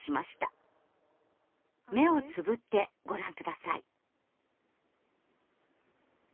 目をつぶってご覧下さい。